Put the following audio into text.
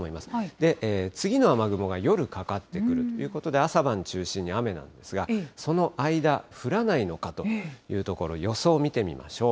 で、次の雨雲が夜かかってくるということで、朝晩中心に雨なんですが、その間、降らないのかというところ、予想を見てみましょう。